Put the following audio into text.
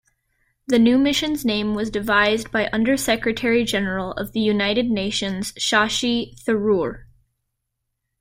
The new mission's name was devised by Under-Secretary-General of the United Nations Shashi Tharoor.